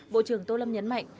bộ trưởng tô lâm nhấn mạnh